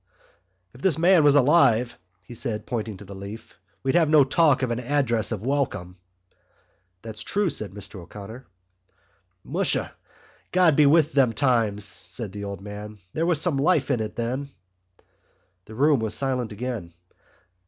"If this man was alive," he said, pointing to the leaf, "we'd have no talk of an address of welcome." "That's true," said Mr O'Connor. "Musha, God be with them times!" said the old man. "There was some life in it then." The room was silent again.